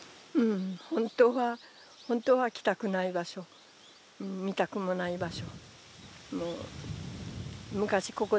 本当は、本当は来たくない場所、見たくもない場所。